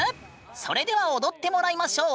それでは踊ってもらいましょう！